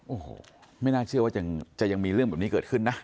โอ้โหไม่น่าเชื่อว่าจะยังมีเรื่องแบบนี้เกิดขึ้นนะ